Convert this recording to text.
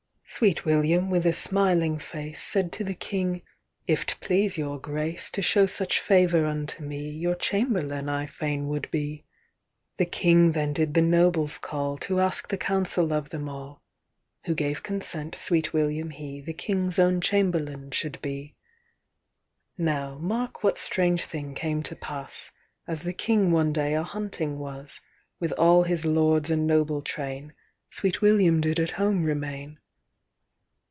'XIVSweet William, with a smiling face, Said to the King, 'If't please your GraceTo show such favour unto me, Your chamberlain I fain would be.'XVThe King then did the nobles call, To ask the counsel of them all; Who gave consent Sweet William heThe King's own chamberlain should be. XVINow mark what strange thing came to pass:As the King one day a hunting was, With all his lords and noble train, Sweet William did at home remain.